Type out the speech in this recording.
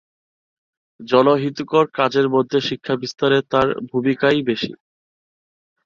জনহিতকর কাজের মধ্যে শিক্ষা বিস্তারে তার ভুমিকা ই বেশি।